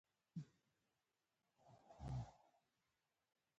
بېرته تاشکند ته روان دي.